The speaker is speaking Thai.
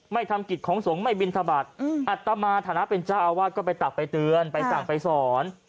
ทำกิจของสงฆ์ไม่บินทบาทอัตมาฐานะเป็นเจ้าอาวาสก็ไปตักไปเตือนไปสั่งไปสอน